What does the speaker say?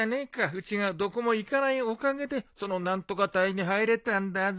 うちがどこも行かないおかげでその何とか隊に入れたんだぞ。